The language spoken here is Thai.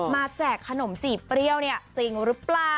แจกขนมจีบเปรี้ยวเนี่ยจริงหรือเปล่า